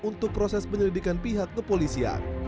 untuk proses penyelidikan pihak kepolisian